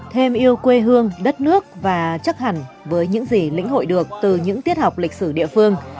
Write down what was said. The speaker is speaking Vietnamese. thêm yêu quê hương đất nước và chắc hẳn với những gì lĩnh hội được từ những tiết học lịch sử địa phương